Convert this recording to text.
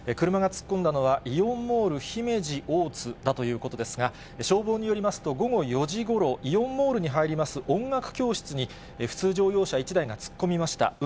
車が突っ込んだのは、イオンモール姫路大津だということですが、消防によりますと、午後４時ごろ、イオンモールに入ります音楽教室に、普通乗用車１台が突っ込みました。